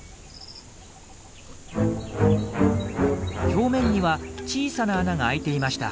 表面には小さな穴が開いていました。